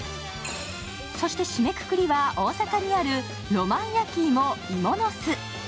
そして締めくくりは、大阪にある浪漫焼き芋芋の巣。